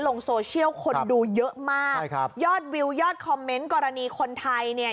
ลงโซเชียลคนดูเยอะมากใช่ครับยอดวิวยอดคอมเมนต์กรณีคนไทยเนี่ย